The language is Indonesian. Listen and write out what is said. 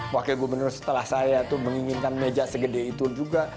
wakil gubernur setelah saya tuh menginginkan meja segede itu juga